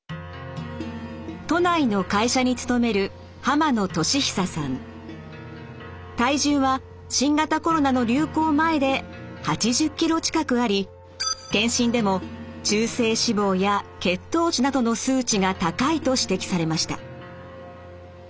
都内の会社に勤める体重は新型コロナの流行前で８０ｋｇ近くあり健診でも中性脂肪や血糖値などの数値が高いと指摘されました。